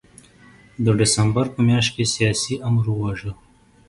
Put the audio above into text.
د ډسمبر په میاشت کې سیاسي آمر وواژه.